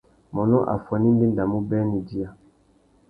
Mônô affuênê i ndéndamú being nà idiya.